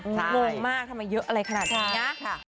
งงมากทำไมเยอะอะไรขนาดนี้นะ